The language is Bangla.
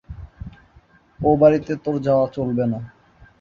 ও বাড়িতে তোর যাওয়া চলবে না।